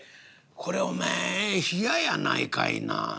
これお前冷ややないかいな」。